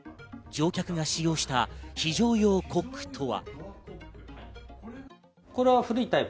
乗客が使用した非常用コックとは。